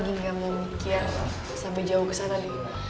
gue lagi gak mau mikir sampe jauh kesana nih